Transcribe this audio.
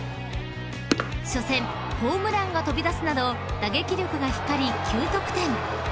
［初戦ホームランが飛び出すなど打撃力が光り９得点］